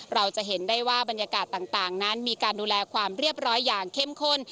เราจะเห็นได้ว่าบรรยากาศต่างนั้นมีการดูแลความเรียบร้อยอย่างเข้มข้น